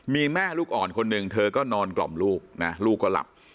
มีแม่ลูกอ่อนคนหนึ่งเธอก็นอนกล่อมลูกนะลูกก็หลับ